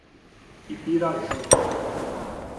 Ibirajuba